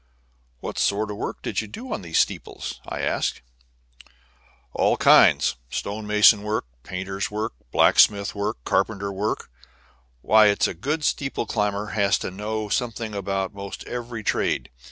"What sort of work did you do on these steeples?" I asked. "All kinds; stone mason's work, painter's work, blacksmith's work, carpenter's work why, a good steeple climber has to know something about 'most every trade.